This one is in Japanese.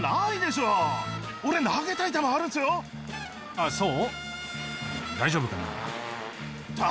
「あっそう？」